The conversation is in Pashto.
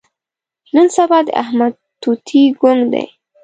نن سبا د احمد توتي ګونګ دی.